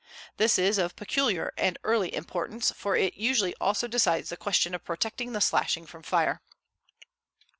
This is of peculiar and early importance, for it usually also decides the question of protecting the slashing from fire.